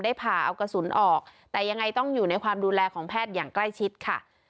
ผ่าเอากระสุนออกแต่ยังไงต้องอยู่ในความดูแลของแพทย์อย่างใกล้ชิดค่ะ